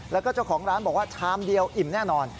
แล้วก็เจ้าของร้านบอกว่าชามเดียวอิ่มแน่นอน